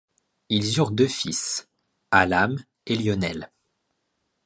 Ils eurent deux fils, Hallam et Lionel.